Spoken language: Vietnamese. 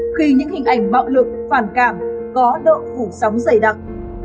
khi những hình ảnh bạo lực phản cảm có độ phủ sóng dày đặc